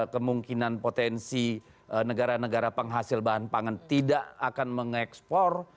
kemungkinan potensi negara negara penghasil bahan pangan tidak akan mengekspor